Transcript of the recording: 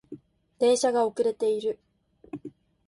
電車が遅れている